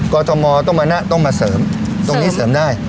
กอทมต้นมันต้องมาเสริมเสริมตรงนี้เสริมได้อ๋อ